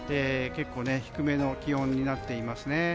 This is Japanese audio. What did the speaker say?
結構低めの気温になっていますね。